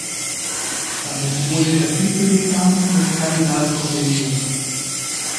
Damit wurde er Vizedekan des Kardinalskollegiums.